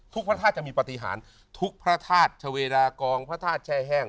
พระธาตุจะมีปฏิหารทุกพระธาตุชเวดากองพระธาตุแช่แห้ง